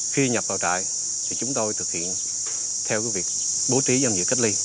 khi nhập vào trại thì chúng tôi thực hiện theo việc bố trí giam giữ cách ly